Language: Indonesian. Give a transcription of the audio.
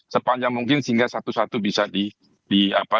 sepanjang mungkin sehingga satu satu bisa